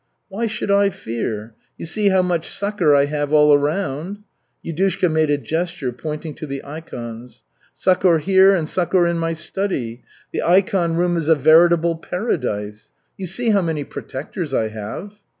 "Why should I fear? You see how much succor I have all around." Yudushka made a gesture, pointing to the ikons. "Succor here and succor in my study. The ikon room is a veritable paradise. You see how many protectors I have."